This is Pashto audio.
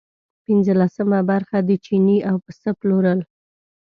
پنځلسمه برخه د چیني او پسه پلورل.